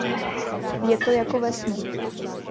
Je to jako ve snu!